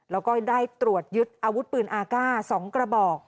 แล้วก็ได้ตรวจยึดอาวุธปืนอากาศ๒กระบอก